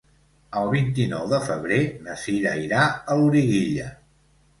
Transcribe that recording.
El vint-i-nou de febrer na Sira irà a Loriguilla.